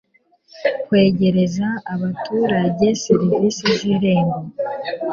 kwegereza abaturage serivisi z irembo